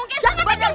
gua juga kaget nyakot